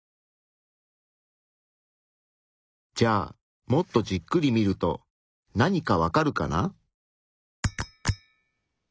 じゃあもっとじっくり見ると何かわかるかな？